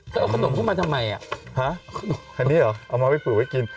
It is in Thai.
ถ้าเอาขนมเข้ามาทำไมอ่ะอันนี้หรอเอามาไปปลูกไว้กิน